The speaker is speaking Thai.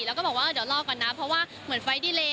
แล้วก็บอกว่าเดี๋ยวรอก่อนนะเพราะว่าเหมือนไฟดี้เล